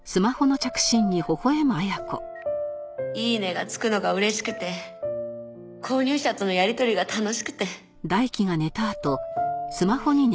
「イイネ！」がつくのが嬉しくて購入者とのやりとりが楽しくて。